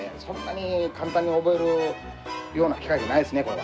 そんなに簡単に覚えるような機械じゃないですね